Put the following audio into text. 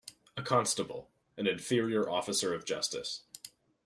A constable an inferior officer of justice.